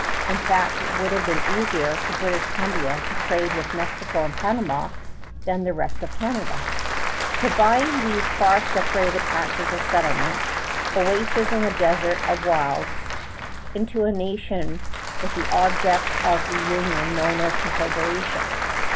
In fact, it would have been easier for British Columbia to trade with Mexico and Panama than with the rest of Canada. {vii} To bind these far separated patches of settlement, oases in a desert of wilds, into a nation was the object of the union known as Confederation.